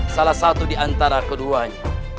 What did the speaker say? salah satu di antara keduanya